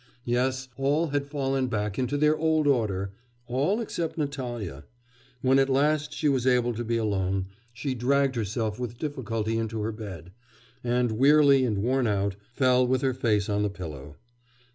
Yes, all had fallen back into their old order all except Natalya. When at last she was able to be alone, she dragged herself with difficulty into her bed, and, weary and worn out, fell with her face on the pillow.